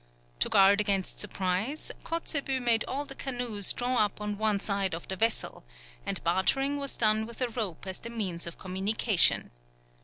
To guard against surprise, Kotzebue made all the canoes draw up on one side of the vessel, and bartering was done with a rope as the means of communication.